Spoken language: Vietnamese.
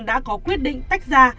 đã có quyết định tách ra